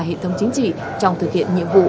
hệ thống chính trị trong thực hiện nhiệm vụ